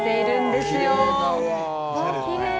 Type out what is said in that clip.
わきれい。